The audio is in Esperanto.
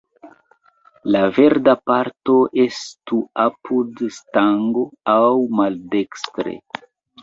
La verda parto restu apud stango, aŭ maldekstre.